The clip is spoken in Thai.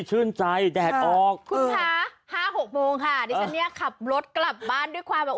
ชื่นใจแดดออกคุณคะห้าหกโมงค่ะดิฉันเนี่ยขับรถกลับบ้านด้วยความแบบ